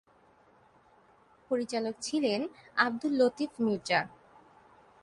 পরিচালক ছিলেন আবদুল লতিফ মির্জা।